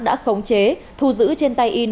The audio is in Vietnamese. đã khống chế thu giữ trên tay in